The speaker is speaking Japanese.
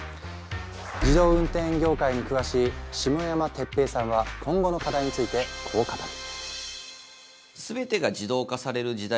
自動運転業界に詳しい下山哲平さんは今後の課題についてこう語る。